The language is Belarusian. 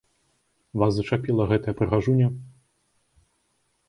Вас зачапіла гэтая прыгажуня?